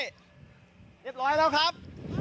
เรียบร้อยแล้วครับ